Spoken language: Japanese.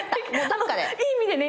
いい意味でね。